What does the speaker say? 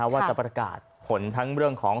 ว่าจะประกาศผลทั้งเรื่องของ